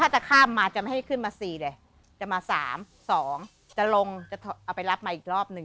จะมาสามสองจะลงจะเอาไปรับมาอีกรอบหนึ่ง